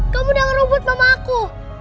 kamu udah merebut mama aku